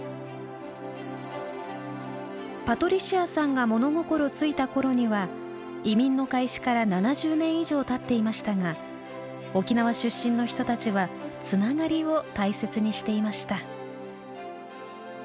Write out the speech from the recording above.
パトリシアさんが物心付いた頃には移民の開始から７０年以上たっていましたが沖縄出身の人たちはつながりを大切にしていました。